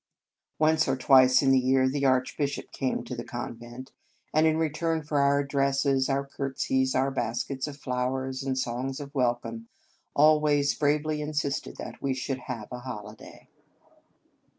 Once or twice in the 109 In Our Convent Days year the Archbishop came to the con vent, and in return for our addresses, our curtsies, our baskets of flowers, and songs of welcome, always bravely insisted that we should have a holi day.